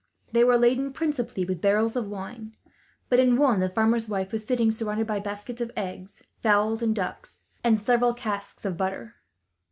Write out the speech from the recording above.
They were laden principally with barrels of wine; but in one the farmer's wife was sitting, surrounded by baskets of eggs, fowls, and ducks, and several casks of butter.